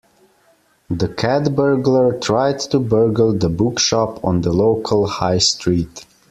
The cat burglar tried to burgle the bookshop on the local High Street